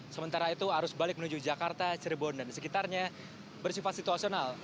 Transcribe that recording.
sementara itu arus balik menuju jakarta cirebon dan sekitarnya bersifat situasional